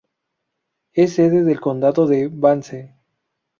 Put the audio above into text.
Es sede del condado de Vance.